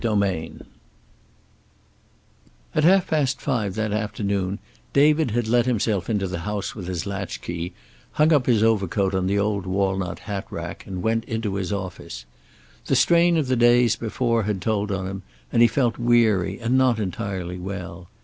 X AT half past five that afternoon David had let himself into the house with his latch key, hung up his overcoat on the old walnut hat rack, and went into his office. The strain of the days before had told on him, and he felt weary and not entirely well.